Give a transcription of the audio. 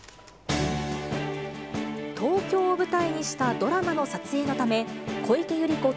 東京を舞台にしたドラマの撮影のため、小池百合子